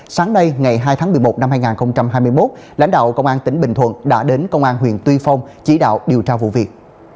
sáng nay ngày hai tháng một mươi một năm hai nghìn hai mươi một lãnh đạo công an tỉnh bình thuận đã đến công an huyện tuy phong chỉ đạo điều tra vụ việc